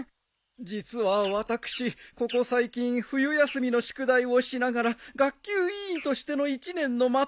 実は私ここ最近冬休みの宿題をしながら学級委員としての一年のまとめを書いていたんです。